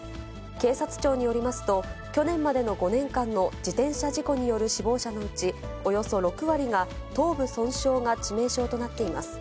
警察庁によりますと、去年までの５年間の自転車事故による死亡者のうちおよそ６割が、頭部損傷が致命傷となっています。